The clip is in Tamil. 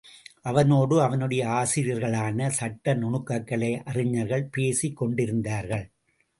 அவனோடு அவனுடைய ஆசிரியர்களான சட்டநுணுக்கக்கலை அறிஞர்கள் பேசிக் கொண்டிருந்தார்கள்.